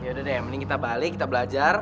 yaudah deh mending kita balik kita belajar